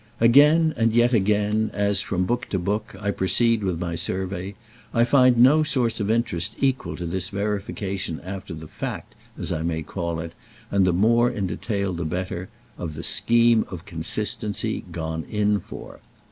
Again and yet again, as, from book to book, I proceed with my survey, I find no source of interest equal to this verification after the fact, as I may call it, and the more in detail the better, of the scheme of consistency "gone in" for.